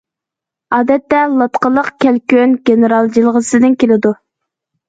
ئادەتتە لاتقىلىق كەلكۈن‹‹ گېنېرال›› جىلغىسىدىن كېلىدۇ.